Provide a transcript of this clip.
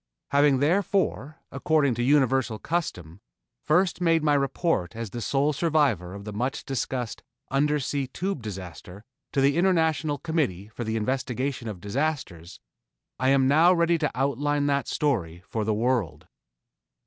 Having therefore, according to universal custom, first made my report as the sole survivor of the much discussed Undersea Tube disaster to the International Committee for the Investigation of Disasters, I am now ready to outline that story for the world.